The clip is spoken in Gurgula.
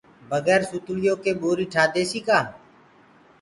بگير سوتݪيو ڪي ٻوري ٺآ ديسي ڪآ۔